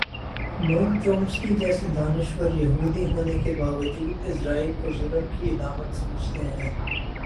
نوم چومسکی جیسے دانش وریہودی ہونے کے باوجود اسرائیل کو ظلم کی علامت سمجھتے ہیں۔